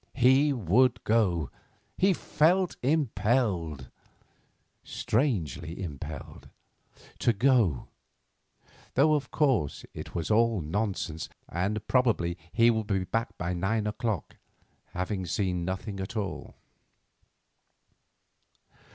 He would go. He felt impelled—strangely impelled—to go, though of course it was all nonsense, and probably he would be back by nine o'clock, having seen nothing at all.